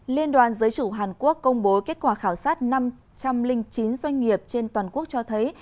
liên đoàn giới chủ hàn quốc công bố kết quả khảo sát năm trăm linh chín doanh nghiệp trên toàn quốc cho thấy